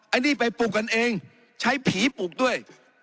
อันนี้ไปปลูกกันเองใช้ผีปลูกด้วย